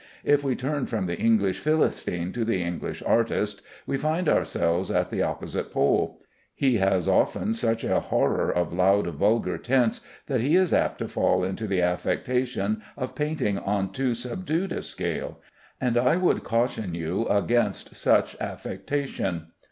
If we turn from the English Philistine to the English artist, we find ourselves at the opposite pole. He has often such a horror of loud, vulgar tints, that he is apt to fall into the affectation of painting on too subdued a scale, and I would caution you against this affectation.